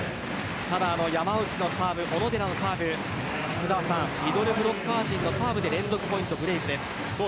ただ、山内のサーブ小野寺のサーブミドルブロッカー陣のサーブで連続ポイントブレークです。